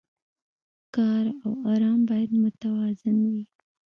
کار او ارام باید متوازن وي.